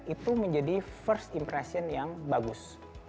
itu menjadi first impression yang bagus